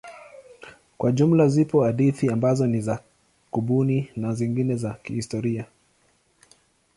Kwa jumla zipo hadithi ambazo ni za kubuni na zingine za kihistoria.